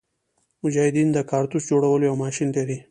مجاهدین د کارتوس جوړولو یو ماشین لري.